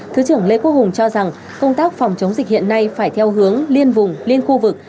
thứ trưởng lê quốc hùng cho rằng công tác phòng chống dịch hiện nay phải theo hướng liên vùng liên khu vực